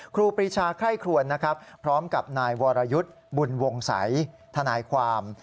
ครูปริชาไข้ครวญพร้อมกับนายวรยุทธ์บุญวงศัยทนายความ